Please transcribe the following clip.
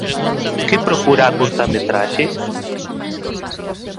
Que procura a curtametraxe?